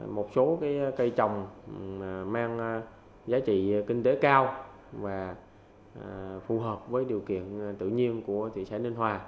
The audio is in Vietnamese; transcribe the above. một số cây trồng mang giá trị kinh tế cao và phù hợp với điều kiện tự nhiên của thị xã ninh hòa